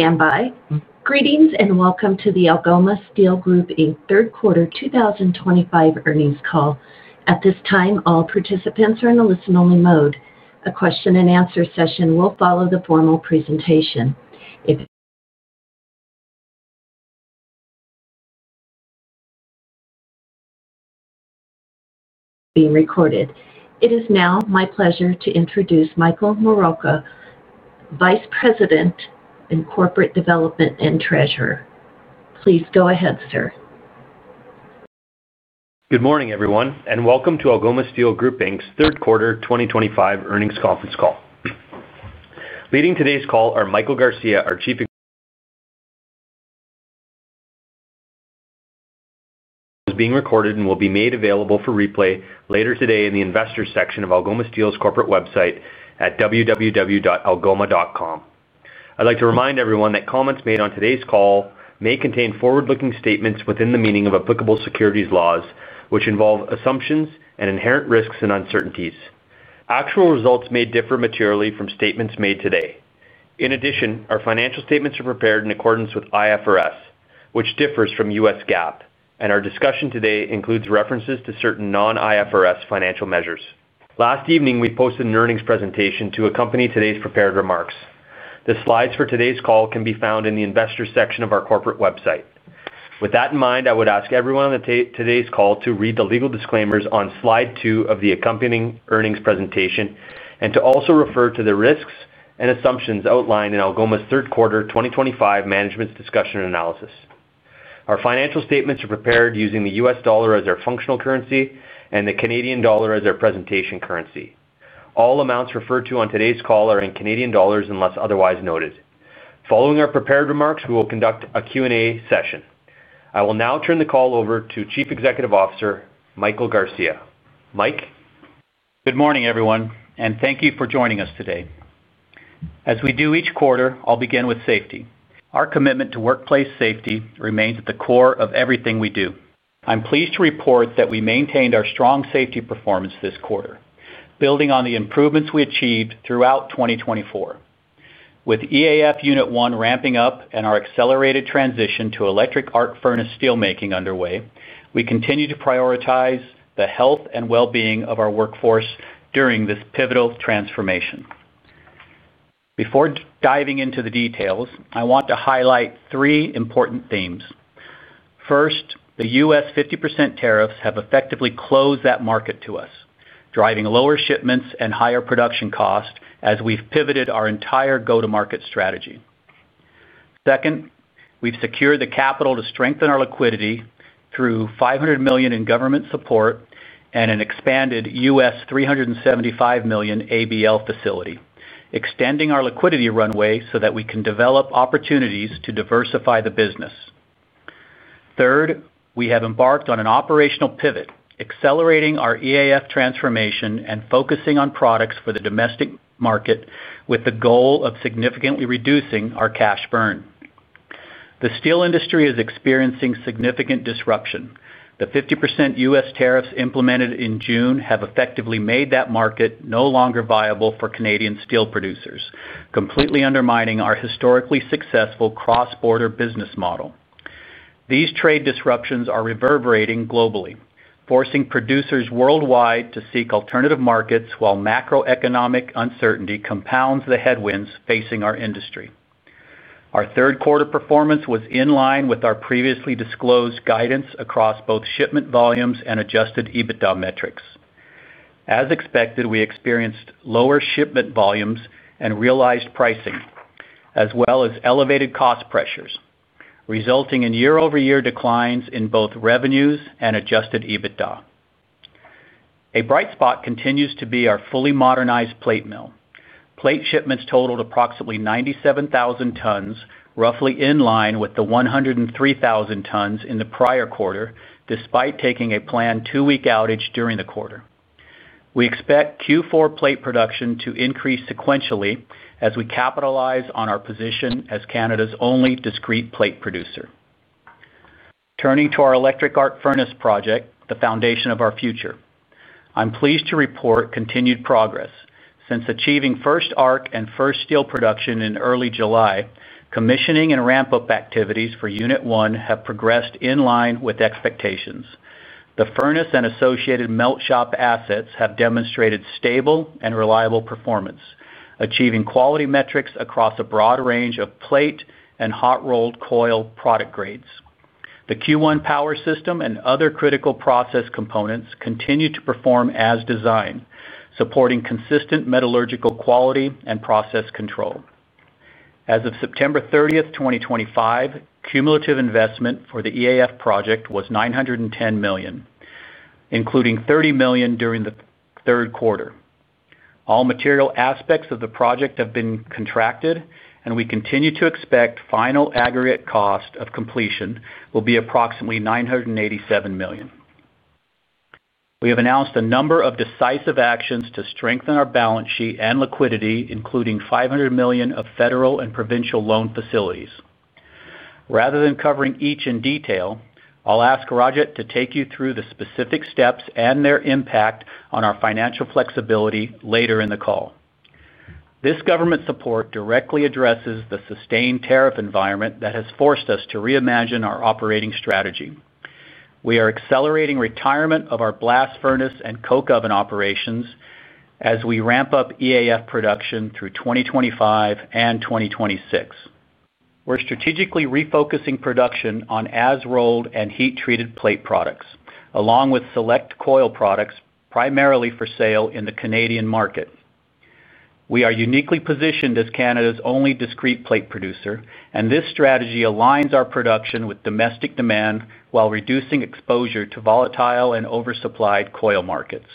Please stand by. Greetings and welcome to the Algoma Steel Group Inc Third Quarter 2025 Earnings Call. At this time all participants are in a listen-only mode. A question and answer session will follow the formal presentation. This call is being recorded. It is now my pleasure to introduce Michael Moraca, Vice President and Corporate Development and Treasurer. Please go ahead, sir. Good morning everyone and welcome to Algoma Steel Group Inc's Third Quarter 2025 Earnings Conference Call. Leading today's call are Michael Garcia, our Chief Executive Officer. This call is being recorded and will be made available for replay later today in the Investors section of Algoma Steel's corporate website at www.algoma.com. I'd like to remind everyone that comments made on today's call may contain forward-looking statements within the meaning of applicable securities laws, which involve assumptions and inherent risks and uncertainties. Actual results may differ materially from statements made today. In addition, our financial statements are prepared in accordance with IFRS, which differs from U.S. GAAP, and our discussion today includes references to certain non-IFRS financial measures. Last evening we posted an earnings presentation to accompany today's prepared remarks. The slides for today's call can be found in the Investors section of our corporate website. With that in mind, I would ask everyone on today's call to read the legal disclaimers on Slide two of the accompanying earnings presentation and to also refer to the risks and assumptions outlined in Algoma's Third Quarter 2025 Management's Discussion and Analysis. Our financial statements are prepared using the U.S. Dollar as our functional currency and the Canadian dollar as our presentation currency. All amounts referred to on today's call are in Canadian dollars unless otherwise noted. Following our prepared remarks, we will conduct. A Q&A session. I will now turn the call over to Chief Executive Officer Michael Garcia. Good morning everyone and thank you for joining us today. As we do each quarter, I'll begin with safety. Our commitment to workplace safety remains at the core of everything we do. I'm pleased to report that we maintained our strong safety performance this quarter, building on the improvements we achieved throughout 2024. With EAF Unit one ramping up and our accelerated transition to Electric Arc Furnace steelmaking underway, we continue to prioritize the health and well-being of our workforce during this pivotal transformation. Before diving into the details, I want to highlight three important themes. First, the U.S. 50% tariffs have effectively closed that market to us, driving lower shipments and higher production cost as we've pivoted our entire go-to-market strategy. Second, we've secured the capital to strengthen our liquidity through 500 million in government support and an expanded $375 million ABL credit facility, extending our liquidity runway so that we can develop opportunities to diversify the business. Third, we have embarked on an operational pivot, accelerating our EAF transformation and focusing on products for the domestic market with the goal of significantly reducing our cash burn. The steel industry is experiencing significant disruption. The 50% U.S. tariffs implemented in June have effectively made that market no longer viable for Canadian steel producers, completely undermining our historically successful cross-border business model. These trade disruptions are reverberating globally, forcing producers worldwide to seek alternative markets while macroeconomic uncertainty compounds the headwinds facing our industry. Our 3rd quarter performance was in line with our previously disclosed guidance across both shipment volumes and Adjusted EBITDA metrics. As expected, we experienced lower shipment volumes and realized pricing as well as elevated cost pressures, resulting in year-over-year declines in both revenues and Adjusted EBITDA. A bright spot continues to be our fully modernized Plate Mill. Plate shipments totaled approximately 97,000 tons, roughly in line with the 103,000 tons in the prior quarter. Despite taking a planned two-week outage during the quarter, we expect Q4 plate production to increase sequentially as we capitalize on our position as Canada's only discrete plate producer. Turning to our Electric Arc Furnace project, the foundation of our future, I'm pleased to report continued progress since achieving 1st arc and 1st steel production in early July. Commissioning and ramp-up activities for Unit one have progressed in line with expectations. The furnace and associated Melt Shop assets have demonstrated stable and reliable performance, achieving quality metrics across a broad range of plate and Hot-Rolled Coil product grades. The Q1 power system and other critical process components continue to perform as designed, supporting consistent Metallurgical Quality and process control. As of September 30th, 2025, cumulative investment for the EAF project was 910 million, including 30 million during the 3rd quarter. All material aspects of the project have been contracted and we continue to expect final aggregate cost of completion will be approximately 987 million. We have announced a number of decisive actions to strengthen our balance sheet and liquidity, including 500 million of federal and provincial loan facilities. Rather than covering each in detail, I ask Rajat to take you through the specific steps and their impact on our financial flexibility later in the call. This government support directly addresses the sustained tariff environment that has forced us to reimagine our operating strategy. We are accelerating retirement of our Blast Furnace and Coke Oven operations as we ramp up EAF production through 2025 and 2026. We're strategically refocusing production on as-rolled and heat-treated plate products along with select coil products primarily for sale in the Canadian market. We are uniquely positioned as Canada's only discrete plate producer and this strategy aligns our production with domestic demand while reducing exposure to volatile and oversupplied coil markets.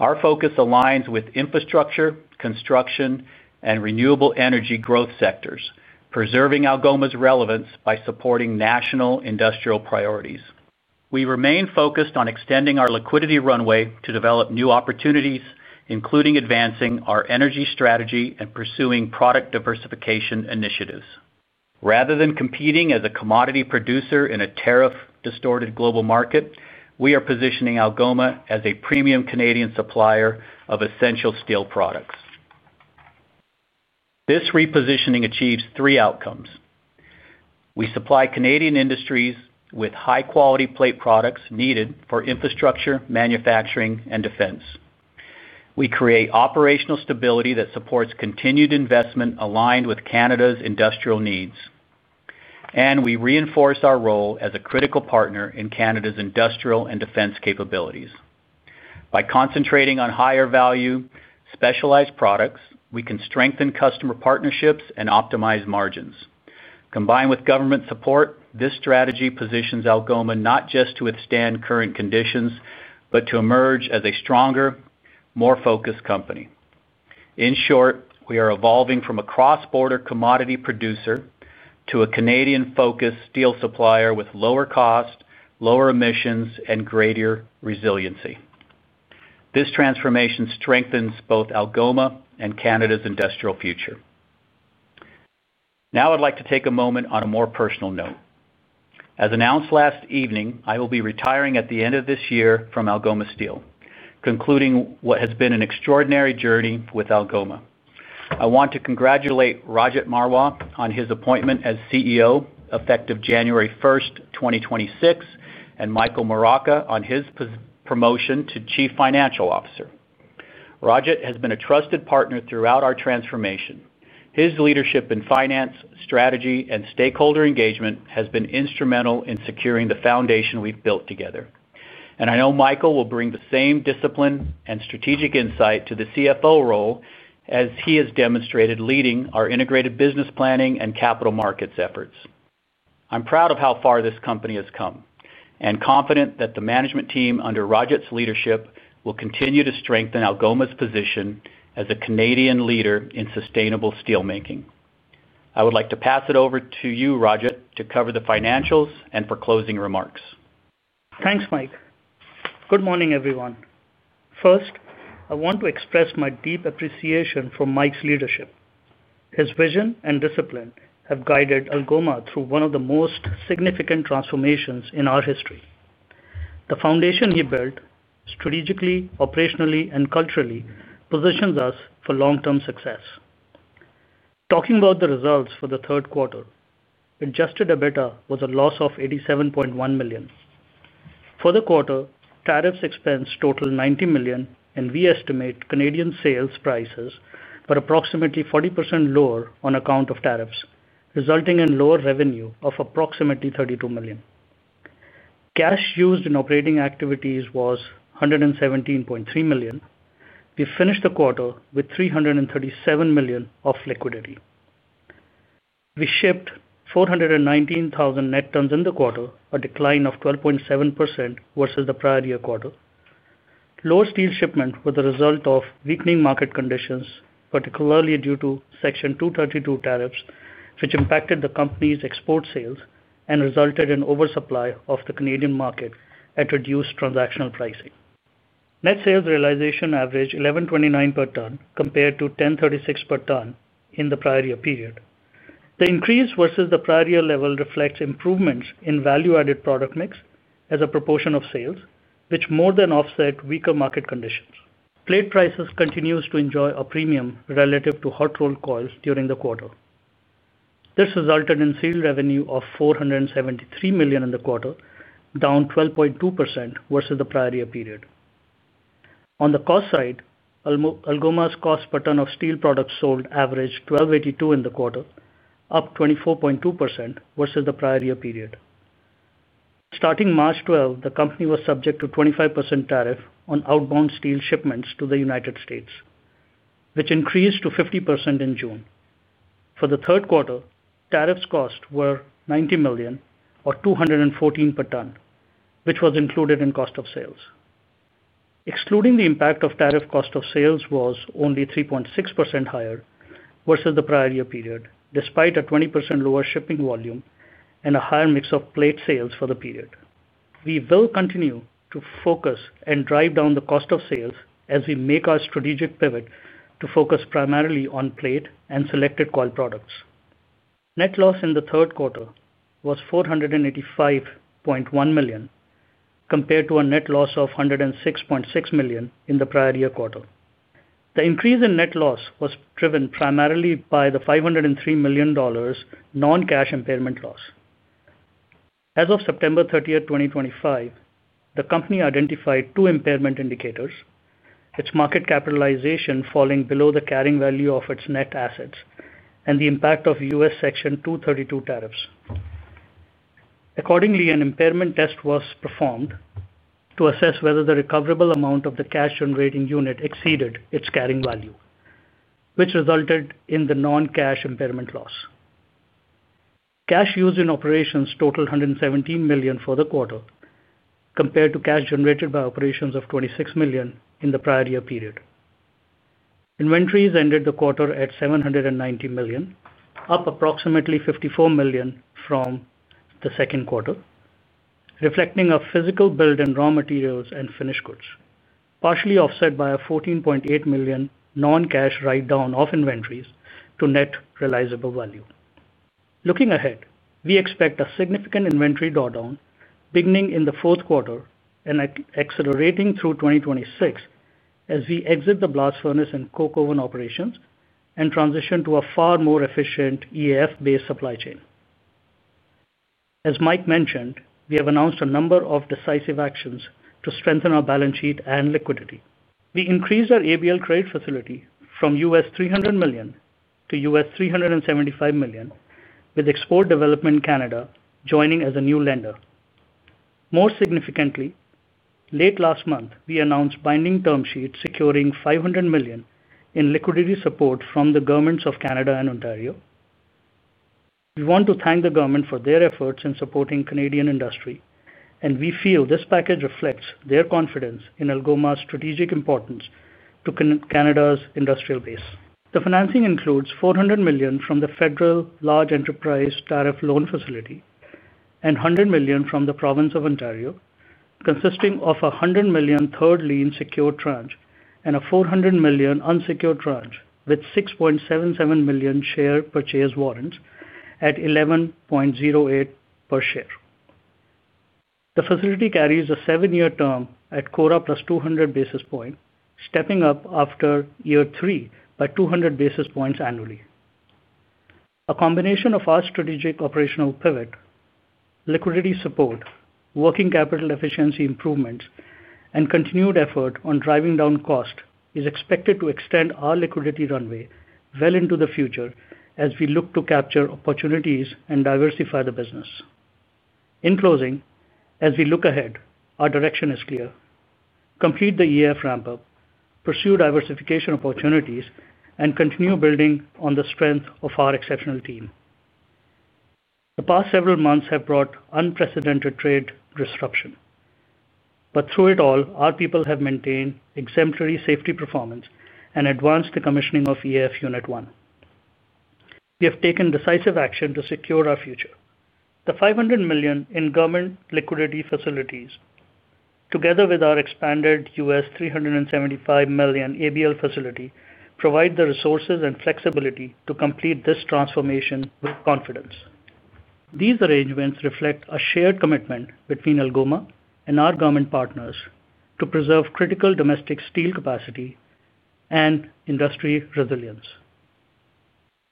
Our focus aligns with infrastructure, construction, and renewable energy growth sectors, preserving Algoma's relevance by supporting national industrial priorities. We remain focused on extending our liquidity runway to develop new opportunities including advancing our energy strategy and pursuing product diversification initiatives. Rather than competing as a commodity producer in a tariff-distorted global market, we are positioning Algoma as a premium Canadian supplier of essential steel products. This repositioning achieves three outcomes. We supply Canadian industries with high quality plate products needed for infrastructure, manufacturing, and defense. We create operational stability that supports continued investment aligned with Canada's industrial needs, and we reinforce our role as a critical partner in Canada's industrial and defense capabilities. By concentrating on higher value specialized products, we can strengthen customer partnerships and optimize margins. Combined with government support, this strategy positions Algoma not just to withstand current conditions, but to emerge as a stronger, more focused company. In short, we are evolving from a cross-border commodity producer to a Canadian-focused steel supplier with lower cost, lower emissions, and greater resiliency. This transformation strengthens both Algoma and Canada's industrial future. Now I'd like to take a moment on a more personal note. As announced last evening, I will be retiring at the end of this year from Algoma Steel, concluding what has been an extraordinary journey with Algoma. I want to congratulate Rajat Marwah on his appointment as CEO effective January 1st, 2026, and Michael Moraca on his promotion to Chief Financial Officer. Rajat has been a trusted partner throughout our transformation. His leadership in finance, strategy, and stakeholder engagement has been instrumental in securing the foundation we've built together. I know Michael will bring the same discipline and strategic insight to the CFO role as he has demonstrated leading our integrated business planning and capital markets efforts. I'm proud of how far this company has come and confident that the management team under Rajat's leadership will continue to strengthen Algoma's position as a Canadian leader in sustainable steelmaking. I would like to pass it over to you, Rajat, to cover the financials and for closing remarks. Thanks Mike. Good morning everyone. First, I want to express my deep appreciation for Mike's leadership. His vision and discipline have guided Algoma through one of the most significant transformations in our history. The foundation he built strategically, operationally, and culturally positions us for long-term success. Talking about the results for the 3rd quarter, Adjusted EBITDA was a loss of 87.1 million. For the quarter, tariffs expense totaled 90 million, and we estimate Canadian sales prices were approximately 40% lower on account of tariffs, resulting in lower revenue of approximately 32 million. Cash used in operating activities was 117.3 million. We finished the quarter with 337 million of liquidity. We shipped 419,000 net tons in the quarter, a decline of 12.7% versus the prior year quarter. Lower steel shipments were the result of weakening market conditions, particularly due to Section 232 Tariffs, which impacted the company's export sales and resulted in oversupply of the Canadian market. At reduced transactional pricing, net sales realization averaged 1,129 per tonne compared to 1,036 per tonne in the prior year period. The increase versus the prior year level reflects improvements in value-added product mix as a proportion of sales, which more than offset weaker market conditions. Plate prices continued to enjoy a premium relative to hot rolled coils during the quarter. This resulted in sale revenue of 473 million in the quarter, down 12.2% versus the prior year period. On the cost side, Algoma's cost per ton of steel products sold averaged 1,282 in the quarter, up 24.2% versus the prior year period. Starting March 12, the company was subject to a 25% tariff on outbound steel shipments to the U.S., which increased to 50% in June. For the 3rd quarter, tariffs cost were 90 million or 214 per tonne, which was included in cost of sales. Excluding the impact of tariff, cost of sales was only 3.6% higher versus the prior year period despite a 20% lower shipping volume and a higher mix of plate sales for the period. We will continue to focus and drive down the cost of sales as we make our strategic pivot to focus primarily on plate and selected coil products. Net loss in the 3rd quarter was 485.1 million compared to a net loss of 106.6 million in the prior year quarter. The increase in net loss was driven primarily by the $503 million non-cash impairment loss as of September 30th, 2025. The company identified two impairment indicators, its market capitalization falling below the carrying value of its net assets and the impact of U.S. Section 232 Tariffs. Accordingly, an impairment test was performed to assess whether the recoverable amount of the Cash Generating Unit exceeded its carrying value, which resulted in the non-cash impairment loss. Cash used in operations totaled 117 million for the quarter compared to cash generated by operations of 26 million in the prior year period. Inventories ended the quarter at 790 million, up approximately 54 million from the second quarter, reflecting a physical build in raw materials and finished goods, partially offset by a 14.8 million non-cash write down of inventories to Net Realizable Value. Looking ahead, we expect a significant inventory drawdown beginning in the 4th quarter and accelerating through 2026 as we exit the Blast Furnace and Coke Oven operations and transition to a far more efficient EAF-based supply chain. As Mike mentioned, we have announced a number of decisive actions to strengthen our balance sheet and liquidity. We increased our ABL credit facility from $300 million to $375 million with Export Development Canada joining as a new lender. More significantly, late last month we announced a binding term sheet securing 500 million in liquidity support from the Governments of Canada and Ontario. We want to thank the government for their efforts in supporting Canadian industry, and we feel this package reflects their confidence in Algoma Steel Group Inc's strategic importance to Canada's industrial base. The financing includes 400 million from the Federal Large Enterprise Tariff Loan Facility and 100 million from the Province of Ontario, consisting of a 100 million 3rd lien secured tranche and a 400 million unsecured tranche with 6.77 million share purchase warrants at 11.08 per share. The facility carries a seven-year term at Quora plus 200 basis points, stepping up after year three by 200 basis points annually. A combination of our strategic operational pivot, liquidity support, working capital efficiency improvements, and continued effort on driving down cost is expected to extend our liquidity runway well into the future as we look to capture opportunities and diversify the business. In closing, as we look ahead, our direction is clear. Complete the EAF ramp up, pursue diversification opportunities, and continue building on the strength of our exceptional team. The past several months have brought unprecedented trade disruption, but through it all our people have maintained exemplary safety performance and advanced the commissioning of EAF Unit one. We have taken decisive action to secure our future. The 500 million in government liquidity facilities together with our expanded $375 million ABL credit facility provide the resources and flexibility to complete this transformation with confidence. These arrangements reflect a shared commitment between Algoma Steel Group Inc and our government partners to preserve critical domestic steel capacity and industry resilience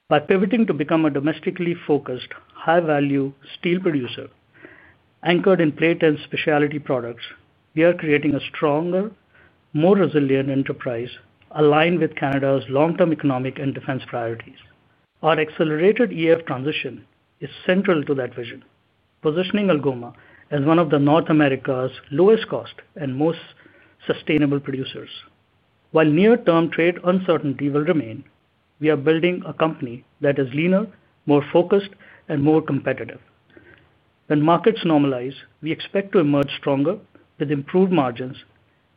by pivoting to become a domestically focused, high value steel producer anchored in plate and specialty products. We are creating a stronger, more resilient enterprise aligned with Canada's long term economic and defense priorities. Our accelerated EAF transition is central to that vision, positioning Algoma Steel Group Inc as one of North America's lowest cost and most sustainable producers. While near term trade uncertainty will remain, we are building a company that is leaner, more focused, and more competitive. When markets normalize, we expect to emerge stronger with improved margins,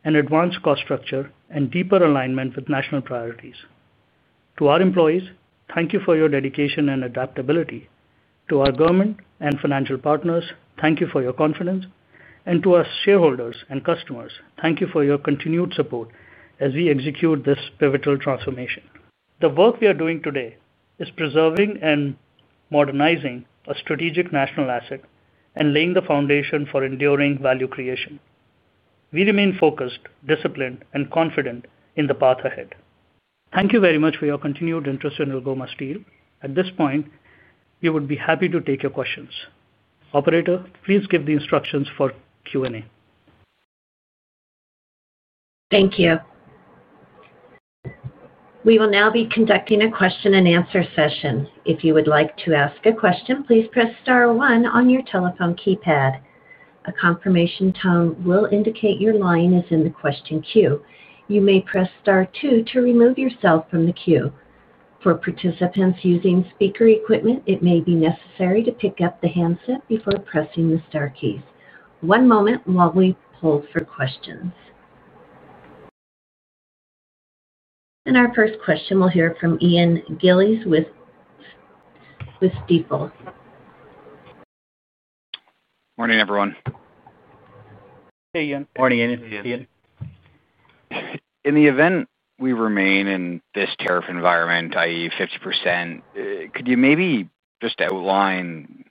an advanced cost structure, and deeper alignment with national priorities. To our employees, thank you for your dedication and adaptability. To our government and financial partners, thank you for your confidence. To our shareholders and customers, thank you for your continued support as we execute this pivotal transformation. The work we are doing today is preserving and modernizing a strategic national asset and laying the foundation for enduring value creation. We remain focused, disciplined, and confident in the path ahead. Thank you very much for your continued interest in Algoma Steel Group Inc. At this point we would be happy to take your questions. Operator, please give the instructions for Q&A. Thank you. We will now be conducting a question and answer session. If you would like to ask a question, please press Star one on your telephone keypad. A confirmation tone will indicate your line is in the question queue. You may press Star two to remove yourself from the queue. For participants using speaker equipment, it may be necessary to pick up the handset before pressing the star keys. One moment while we poll for questions. Our first question, we'll hear from Ian Gillies with. Morning everyone. Hey Ian. Morning Ian. In the event we remain in this tariff environment that is 50%, could you maybe just outline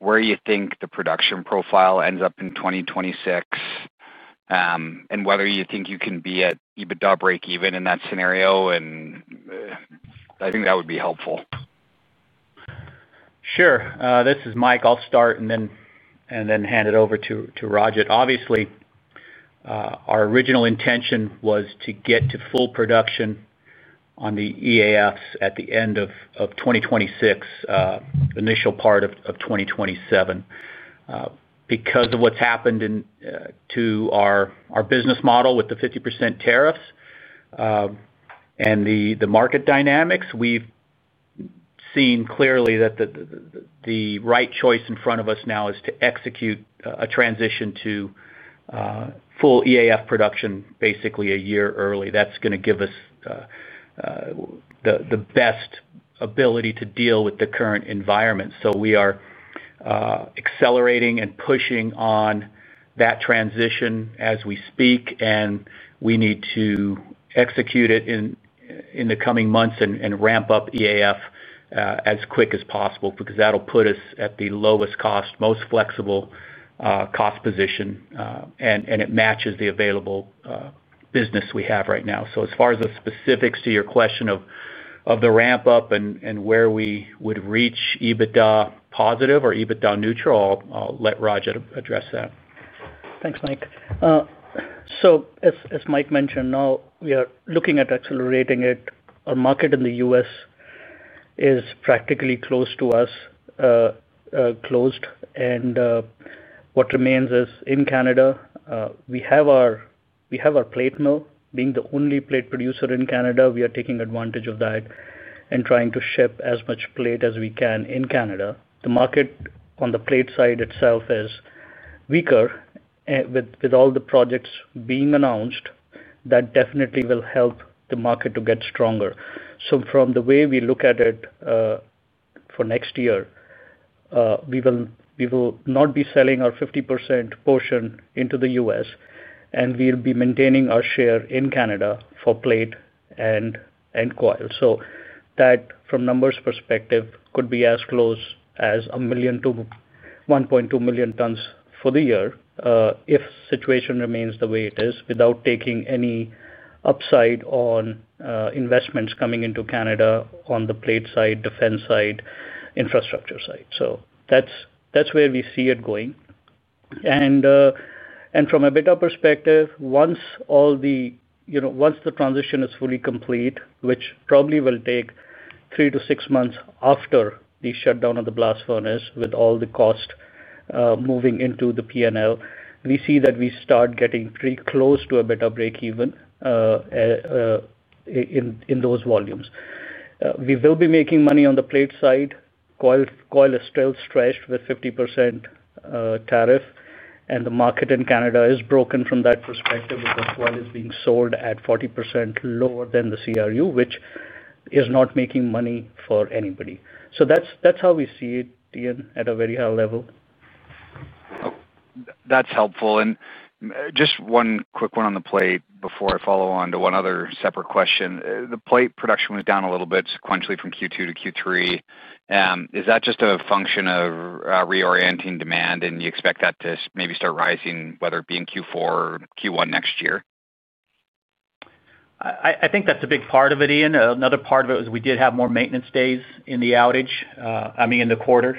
where you think the production profile ends up in 2026 and whether you think you can be at EBITDA break even in that scenario? I think that would be helpful. Sure. This is Mike. I'll start and then hand it over to Rajat. Obviously our original intention was to get to full production on the EAFs at the end of 2026, initial part of 2027. Because of what's happened to our business model with the 50% tariffs and the market dynamics, we've seen clearly that the right choice in front of us now is to execute a transition to full EAF production basically a year early. That's going to give us the best ability to deal with the current environment. We are accelerating and pushing on that transition as we speak and we need to execute it in the coming months and ramp up EAF as quick as possible because that will put us at the lowest cost, most flexible cost position and it matches the available business we have right now. As far as the specifics to your question of the ramp up and where we would reach EBITDA positive or EBITDA neutral, I'll let Rajat address that. Thanks, Mike. As Mike mentioned, now we are looking at accelerating it. Our market in the U.S. is practically closed to us, and what remains is in Canada. We have our Plate Mill being the only plate producer in Canada. We are taking advantage of that and trying to ship as much plate as we can in Canada. The market on the plate side itself is weaker. With all the projects being announced, that definitely will help the market to get stronger. From the way we look at it, for next year we will not be selling our 50% portion into the U.S., and we'll be maintaining our share in Canada for plate and coil. From a numbers perspective, that could be as close as 1 million-1.2 million tonnes for the year if the situation remains the way it is, without taking any upside on investments coming into Canada on the plate side, defense side, infrastructure side. That's where we see it going. From a better perspective, once the transition is fully complete, which probably will take 3-6 months after the shutdown of the Blast Furnace, with all the cost moving into the P&L, we see that we start getting pretty close to a better breakeven in those volumes. We will be making money on the plate side. Coil is still stretched with 50% tariff, and the market in Canada is broken from that perspective because coil is being sold at 40% lower than the CRU, which is not making money for anybody. That's how we see it, Ian, at a very high level. That's helpful. Just one quick one on the plate before I follow on to one other separate question. The plate production was down a little bit sequentially from Q2-Q3. Is that just a function of reorienting demand? You expect that to maybe start rising, whether it be in Q4 or Q1 next year? I think that's a big part of it, Ian. Another part of it is we did have more maintenance days in the outage in the quarter.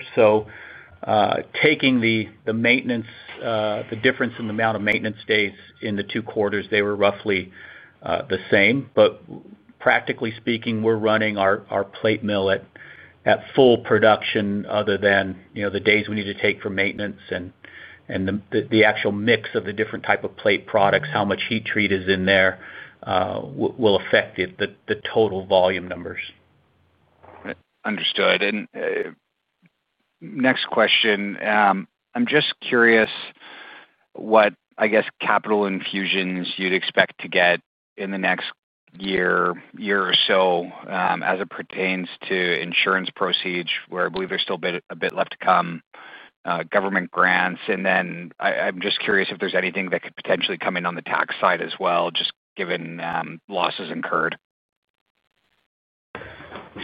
Taking the maintenance, the difference in the amount of maintenance days in the two quarters, they were roughly the same. Practically speaking, we're running our Plate Mill at full production, other than the days we need to take for maintenance, and the actual mix of the different type of plate products, how much heat treat is in there will affect the total volume numbers. Understood. Next question. I'm just curious what, I guess, capital infusions you'd expect to get in the next year or so as it pertains to insurance proceeds, where I believe there's still a bit left to come, government grants. I'm just curious if there's anything that could potentially come in on the tax side as well, just given losses incurred.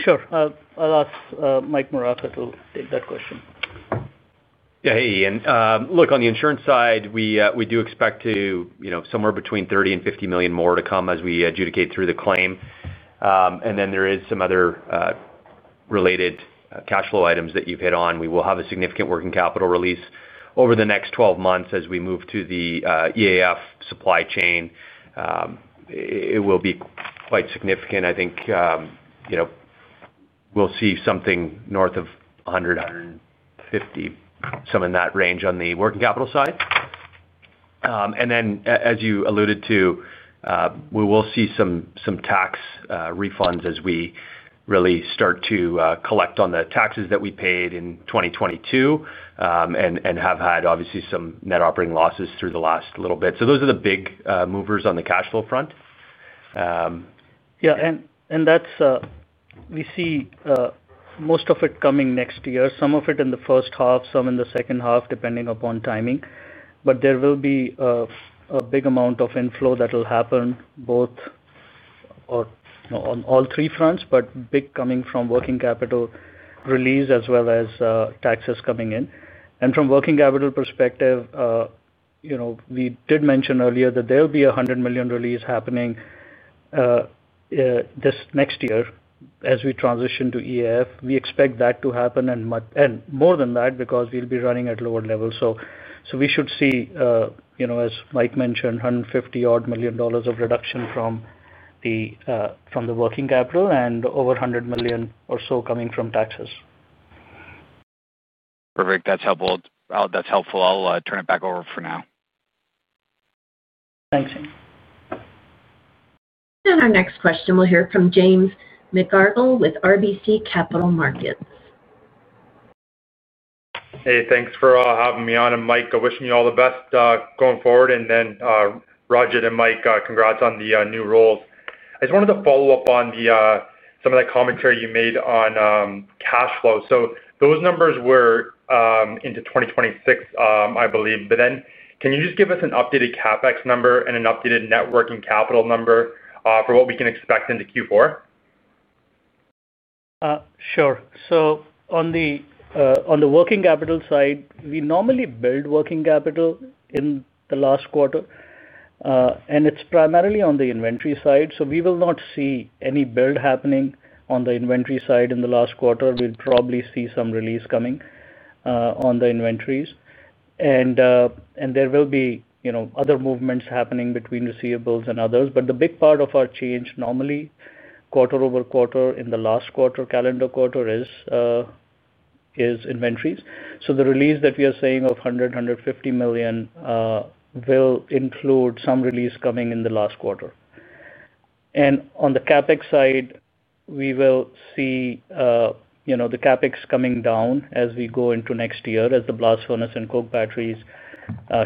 Sure. I'll ask Michael Moraca to take that question. Yeah. Hey, Ian, look, on the insurance side, we do expect somewhere between 30 million-50 million more to come as we adjudicate through the claim. There are some other related cash flow items that you've hit on. We will have a significant working capital release over the next 12 months as we move to the EAF supply chain. It will be quite significant, I think, you know, we'll see something north of 100 million, 150 million, some in that range on the working capital side. As you alluded to, we will see some tax refunds as we really start to collect on the taxes that we paid in 2022 and have had obviously some net operating losses through the last little bit. Those are the big movers on the cash flow front. Yeah, that's. We see most of it coming next year, some of it in the 1st half, some in the 2nd half depending upon timing. There will be a big amount of inflow that will happen both. On. All three fronts, big coming from working capital release as well as taxes coming in. From a working capital perspective, we did mention earlier that there will be a 100 million release happening this next year as we transition to EAF. We expect that to happen, more than that, because we'll be running at lower levels. We should see, as Mike mentioned, $150 million odd of reduction from the working capital and over 100 million or so coming from taxes. Perfect. That's helpful. I'll turn it back over for now. Thanks. Our next question, we'll hear from James McGarragle with RBC Capital Markets. Hey, thanks for having me on. Mike, wishing you all the best going forward. Rajat and Mike, congrats on the new roles. I just wanted to follow up on some of the commentary you made on cash flow. Those numbers were into 2026, I believe. Can you just give us an updated CapEx number and an updated net working capital number for what we can expect into Q4? Sure. On the working capital side, we normally build working capital in the last quarter and it's primarily on the inventory side. We will not see any build happening on the inventory side in the last quarter; we'll probably see some release coming on the inventories, and there will be other movements happening between receivables and others. The big part of our change, normally quarter-over-quarter in the last calendar quarter, is inventories. The release that we are saying of 100 million, 150 million will include some release coming in the last quarter. On the CapEx side, we will see the CapEx coming down as we go into next year as the Blast Furnace and Coke Batteries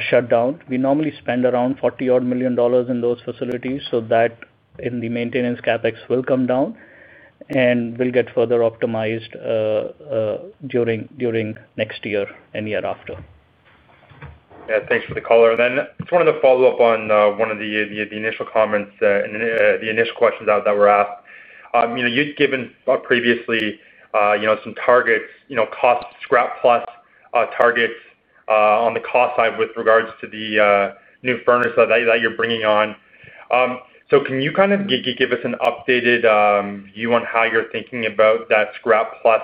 shut down. We normally spend around $40 million in those facilities, so that maintenance CapEx will come down and will get further optimized during next year and the year after. Thanks for the color. Just wanted to follow up on one of the initial comments. The initial questions that were asked, you'd given previously some targets, cost scrap plus targets on the cost side with regards to the new furnace that you're bringing on. Can you kind of give us an updated view on how you're thinking about that scrap plus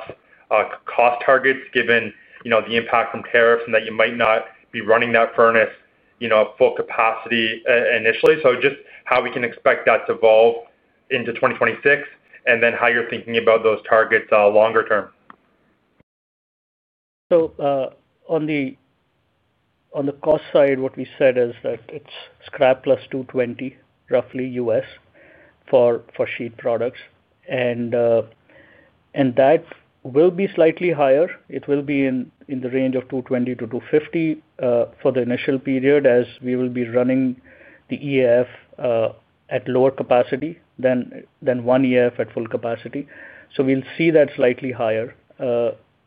cost targets given the impact from tariffs and that you might not be running that furnace at full capacity initially? Just how we can expect that to evolve into 2026 and then how you're thinking about those targets longer term? On the cost side, what we said is that it's scrap plus 220 roughly U.S. for sheet products, and that will be slightly higher. It will be in the range of 220-250 for the initial period as we will be running the EAF at lower capacity than one EAF at full capacity. We'll see that slightly higher,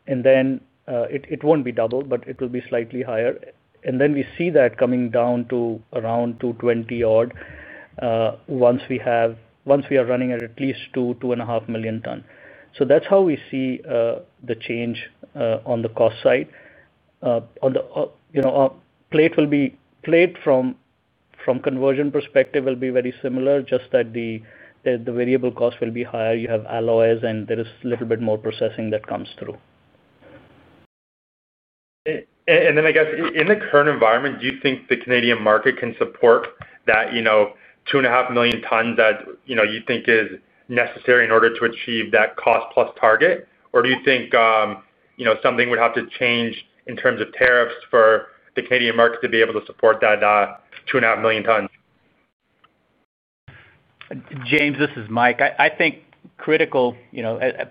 and it won't be double, but it will be slightly higher. We see that coming down to around 220-odd once we are running at at least two, 2.5 million tonnes. That's how we see the change on the cost side. Plate from a conversion perspective will be very similar, just that the variable cost will be higher. You have alloys, and there is a little bit more processing that comes through. In the current environment, do you think the Canadian market can support that 2.5 million tons that you think is necessary in order to achieve that cost plus target, or do you think something would have to change in terms of tariffs for the Canadian market to be able to support that 2.5 million tons? James, this is Mike. I think a critical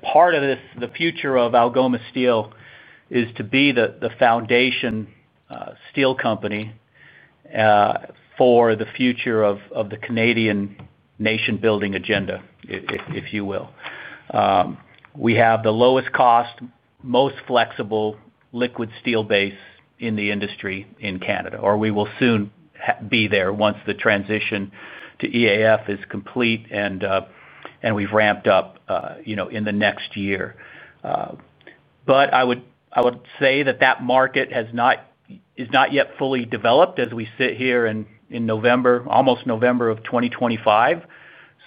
part of the future of Algoma Steel is to be the foundation steel company for the future of the Canadian nation building agenda, if you will. We have the lowest cost, most flexible liquid steel base in the industry in Canada, or we will soon be there once the transition to EAF is complete and we've ramped up in the next year. I would say that market is not yet fully developed as we sit here in November, almost November of 2025.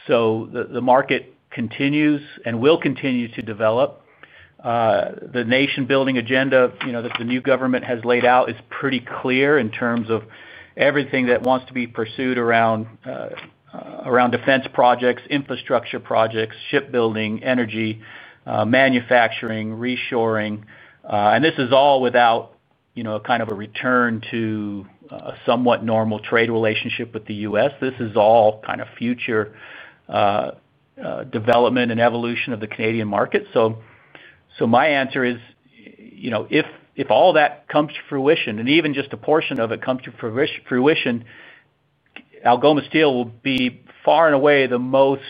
The market continues and will continue to develop. The nation building agenda that the new government has laid out is pretty clear in terms of everything that wants to be pursued around defense projects, infrastructure projects, shipbuilding, energy, manufacturing, reshoring. This is all without a return to a somewhat normal trade relationship with the U.S. This is all future development and evolution of the Canadian market. My answer is if all that comes to fruition and even just a portion of it comes to fruition, Algoma Steel will be far and away the most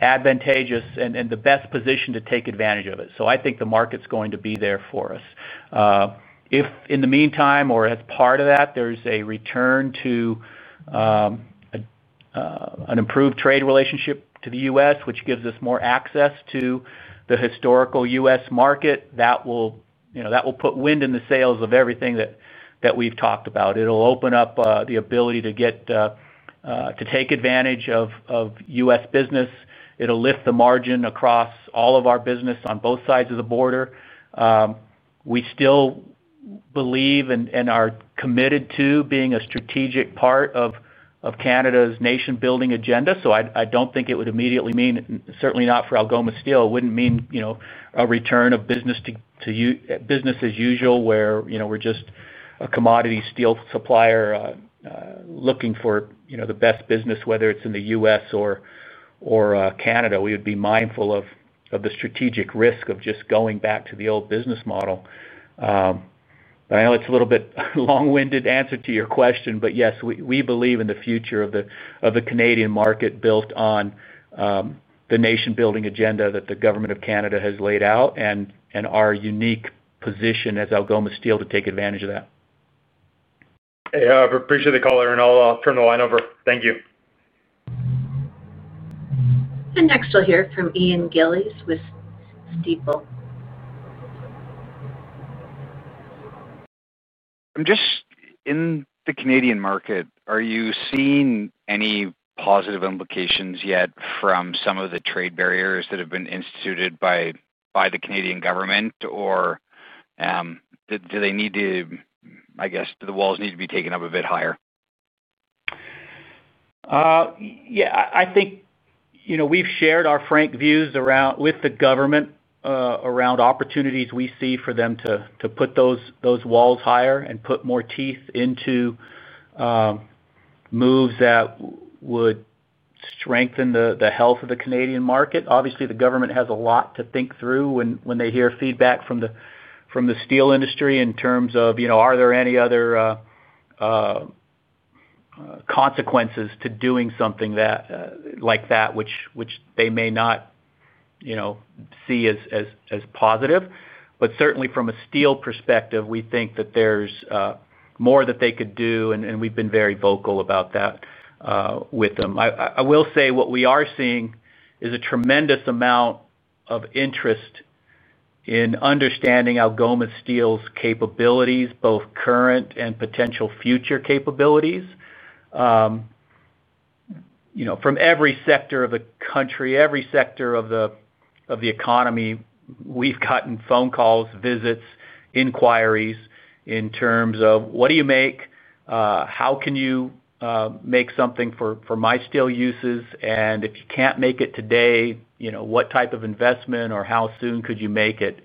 advantageous and the best positioned to take advantage of it. I think the market's going to be there for us if in the meantime or as part of that there's a return to an improved trade relationship to the U.S. which gives us more access to the historical U.S. market. That will put wind in the sails of everything that we've talked about. It'll open up the ability to take advantage of U.S. business. It will lift the margin across all of our business on both sides of the border. We still believe and are committed to being a strategic part of Canada's nation building agenda. I don't think it would immediately mean, certainly not for Algoma Steel, it wouldn't mean a return of business as usual where we're just a commodity steel supplier looking for the best business, whether it's in the U.S. or Canada. We would be mindful of the strategic risk of just going back to the old business model. I know it's a little bit long-winded answer to your question, but yes, we believe in the future of the Canadian market built on the nation building agenda that the government of Canada has laid out and our unique position as Algoma Steel to take advantage of that. Appreciate the caller, and I'll turn the line over. Thank you. Next we'll hear from Ian Gillies with Stifel. I'm just in the Canadian market. Are you seeing any positive implications yet from some of the trade barriers that have been instituted by the Canadian government? Or do they need to, I guess, do the walls need to be taken up higher. Yeah, I think you know, we've shared our frank views with the government around opportunities we see for them to put those walls higher and put more teeth into moves that would strengthen the health of the Canadian market. Obviously, the government has a lot to think through when they hear feedback from the steel industry in terms of are there any other consequences to doing something like that which they may not see as positive. Certainly, from a steel perspective, we think that there's more that they could do, and we've been very vocal about that with them. I will say what we are seeing is a tremendous amount of interest in understanding Algoma Steel's capabilities, both current and potential future capabilities, from every sector of the country, every sector of the economy. We've gotten phone calls, visits, inquiries in terms of what do you make, how can you make something for my steel uses, and if you can't make it today, what type of investment or how soon could you make it?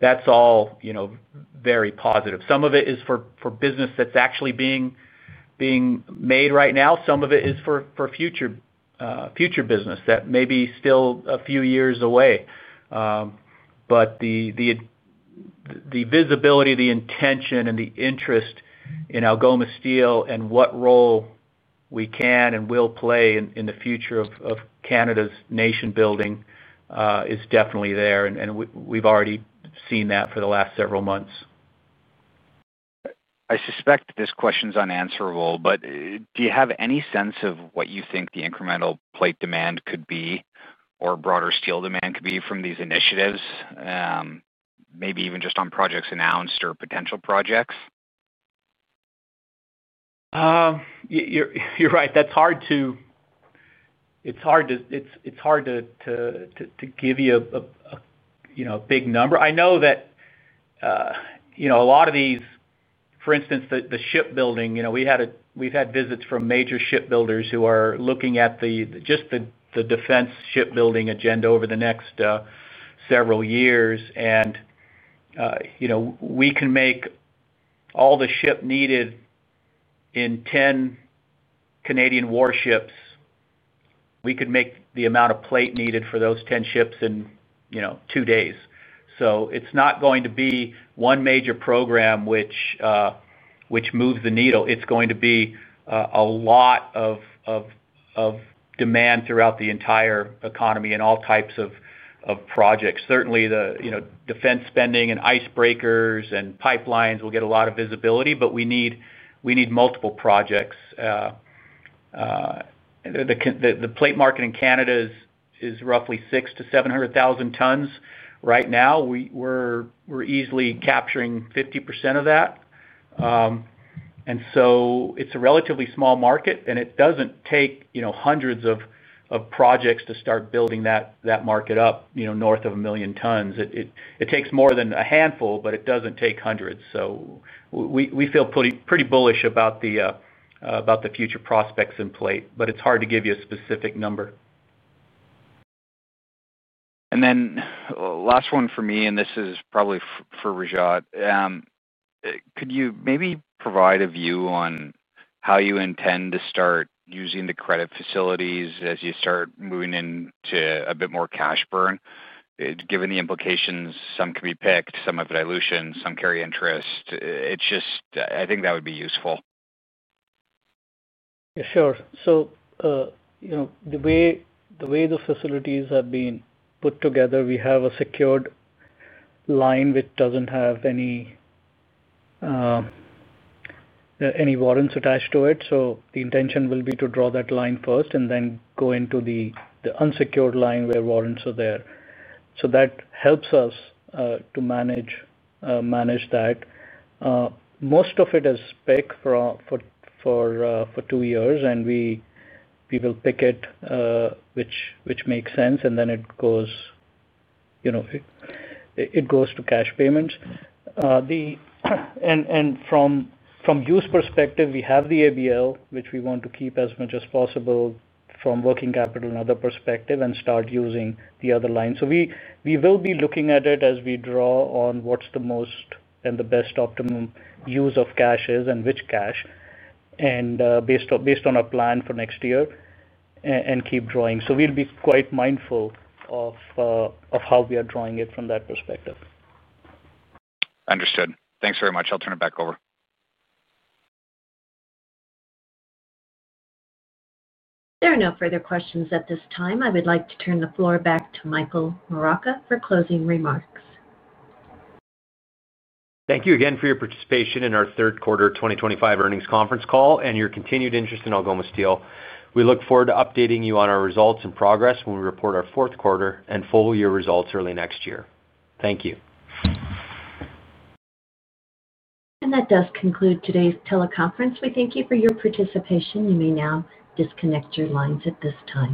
That's all very positive. Some of it is for business that's actually being made right now. Some of it is for future business that may be still a few years away. The visibility, the intention, and the interest in Algoma Steel and what role we can and will play in the future of Canada's nation building is definitely there. We've already seen that for the last several months. I suspect this question is unanswerable, but do you have any sense of what you think the incremental plate demand could be or broader steel demand could be from these initiatives? Maybe even just on projects announced or potential projects? You're right. It's hard to give you a big number. I know that a lot of these, for instance, the shipbuilding. We've had visits from major shipbuilders who are looking at just the defense shipbuilding agenda over the next several years. We can make all the steel needed in 10 Canadian warships. We could make the amount of plate needed for those 10 ships in two days. It's not going to be one major program which moves the needle. It's going to be a lot of demand throughout the entire economy and all types of projects. Certainly, defense spending and icebreakers and pipelines will get a lot of visibility, but we need multiple projects. The plate market in Canada is roughly 600,000 to 700,000 tons right now. We're easily capturing 50% of that, and it's a relatively small market. It doesn't take hundreds of projects to start building that market up north of a million tons. It takes more than a handful, but it doesn't take hundreds. We feel pretty bullish about the future prospects in plate, but it's hard to give you a specific number. Last one for me, and this is probably for Rajat, could you maybe provide a view on how you intend to start using the credit facilities as you start moving into a bit more cash burn? Given the implications, some can be picked, some have dilution, some carry interest. I think that would be useful. Sure. The way the facilities have been put together, we have a secured line which doesn't have any warrants attached to it. The intention will be to draw that line first and then go into the unsecured line where warrants are there. That helps us to manage that. Most of it is spec for two years and people pick it, which makes sense. It goes to cash payments. From use perspective, we have the ABL, which we want to keep as much as possible from working capital, another perspective, and start using the other line. We will be looking at it as we draw on what's the most and the best optimum use of cash is and which cash, and based on our plan for next year, keep drawing. We'll be quite mindful of how we are drawing it from that perspective. Understood. Thanks very much. I'll turn it back over. There are no further questions at this time. I would like to turn the floor back to Michael Moraca for closing remarks. Thank you again for your participation in our Third Quarter 2025 Earnings Conference call and your continued interest in Algoma Steel. We look forward to updating you on our results and progress when we report our Fourth quarter and full year results early next year. Thank you. That does conclude today's teleconference. We thank you for your participation. You may now disconnect your lines at this time.